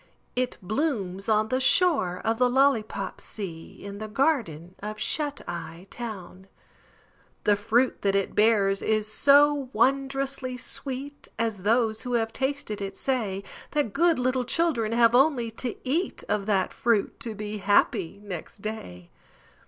It blooms on the shore of the Lollypop Sea In the garden of Shut Eye Town; The fruit that it bears is so wondrously sweet (As those who have tasted it say) That good little children have only to eat Of that fruit to be happy next day.